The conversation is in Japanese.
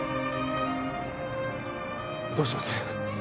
どうします？